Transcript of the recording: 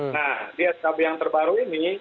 nah di skb yang terbaru ini